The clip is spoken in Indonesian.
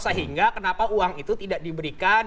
sehingga kenapa uang itu tidak diberikan